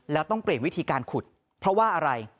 แล้วต้องเปลี่ยนวิธีการขุดเพราะว่าอะไร